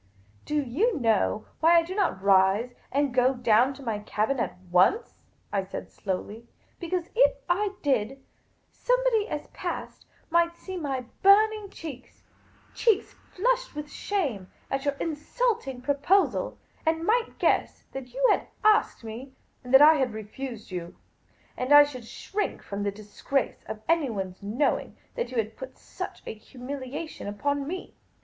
" Do you know why I do not rise and go down to my cabin at once ?" I said, slowly. " Because, if I did, somebody as I passed might see my burning cheeks — cheeks flushed with shame at your insulting proposal — and might guess that you had as^ed me, and that I had refused you. And I should shrink from the disgrace of anyone's knowing that you had put such a humiliation upon me.